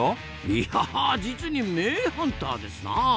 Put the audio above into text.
いや実に名ハンターですなあ！